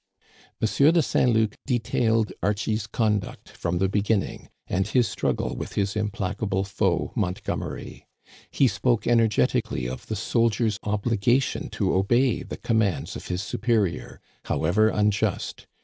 M. de Saint Luc detailed Archie's conduct from the beginning, and his struggle with his implacable foe Montgomery. He spoke energetically of the soldier's obligation to obey the commands of his superior, how ever unjust.